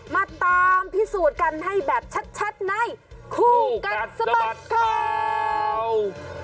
มาตามพิสูจน์กันให้แบบชัดในคู่กัดสะบัดข่าว